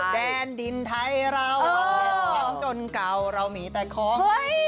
แดนดินไทยเรายังจนเก่าเรามีแต่ของ